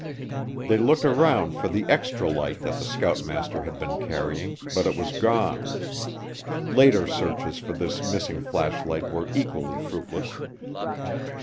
They looked around for the extra light that the scoutmaster had been carrying, but it was gone. Later searches for this missing flashlight were equally fruitless.